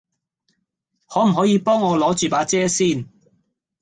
可唔可以幫我攞著把遮先